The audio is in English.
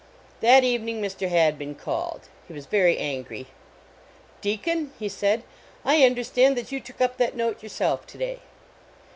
That evening Mr. Hadbin called. He was very angry. "Deacon," he said, " I understand that you took up that note yourself to day."